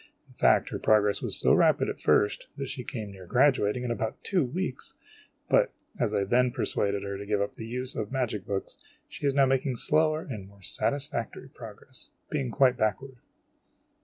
In fact her progress was so rapid at first, that she came near graduating in about two weeks ; but, as I then persuaded her to give up the use of the magic books, she is now making slower and more satisfactory progress, being quite backward.